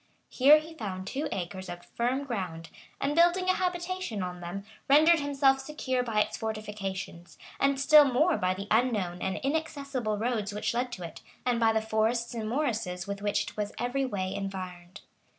He here found two acres of firm ground; and building a habitation on them, rendered himself secure by its fortifications, and still more by the unknown and inaccessible roads which led to it, and by the forests and morasses with which it was every way environed.